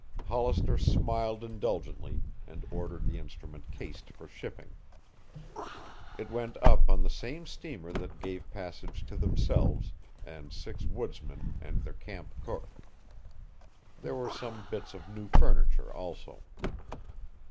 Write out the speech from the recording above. Hollister smiled indulgently and ordered the instrument cased for shipping. It went up on the same steamer that gave passage to themselves and six woodsmen and their camp cook. There were some bits of new furniture also.